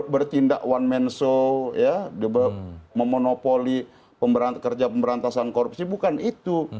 bertindak one man show memonopoli kerja pemberantasan korupsi bukan itu